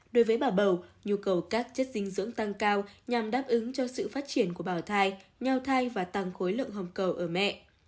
đối với bà bầu nhu cầu các chất dinh dưỡng tăng cao nhằm đáp ứng cho sự phát triển của bảo thai nheo thai và tăng khối lượng hồng cầu ở mẹ